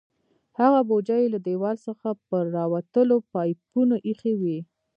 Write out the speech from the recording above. هغه بوجۍ یې له دیوال څخه پر راوتلو پایپونو ایښې وې.